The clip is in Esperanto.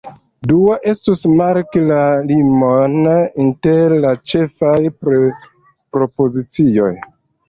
Dua estus marki la limon inter du ĉefaj propozicioj.